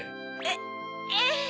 えっええ。